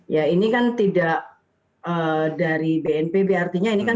ya ini kan tidak dari bnpb artinya ini kan